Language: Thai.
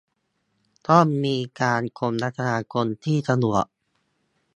ต้องมีการคมนาคมที่สะดวก